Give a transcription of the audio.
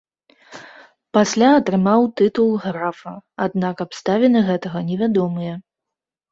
Пасля атрымаў тытул графа, аднак абставіны гэтага невядомыя.